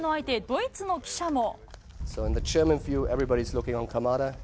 ドイツの記者も。